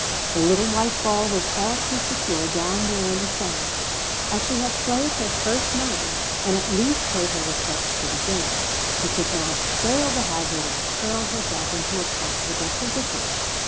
The little white ball was all too secure down there in the sand; as she had played her first nine, and at least paid her respects to the game, she could now scale the hazard and curl herself into a comfortable position.